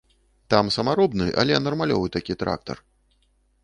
Там самаробны, але нармалёвы такі трактар.